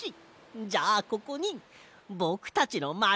じゃあここにぼくたちのまちをつくろうぜ！